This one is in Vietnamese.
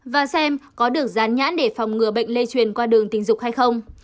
và xem có được rán nhãn để phòng ngừa bệnh lây truyền qua đường tình dục hay không